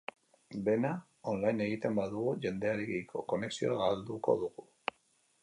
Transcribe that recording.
Dena online egiten badugu, jendearekiko konexioa galduko dugu?